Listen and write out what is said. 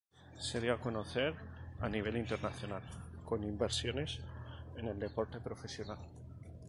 Se dio a conocer a nivel internacional con inversiones en el deporte profesional.